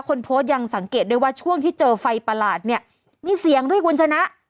คนโพสต์ยังสังเกตด้วยว่าช่วงที่เจอไฟประหลาดเนี่ยมีเสียงด้วยคุณชนะ